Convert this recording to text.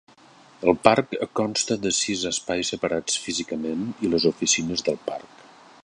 El parc consta de sis espais separats físicament i les oficines del parc.